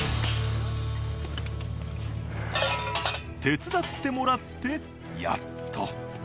手伝ってもらってやっと。